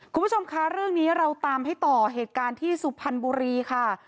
คุณผู้ชมคะเรื่องนี้เราตามให้ต่อเหตุการณ์ที่สุพรรณบุรีค่ะ